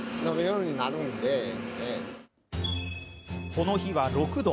この日は６度。